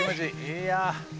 いや。